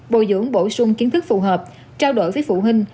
bồi dưỡng bổ sung kiến thức phù hợp trao đổi với phụ huynh